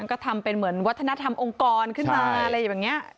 ก็ทำเป็นเหมือนวัฒนธรรมองค์กรขึ้นมาอะไรอย่างนี้